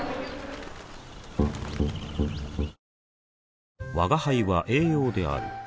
本麒麟吾輩は栄養である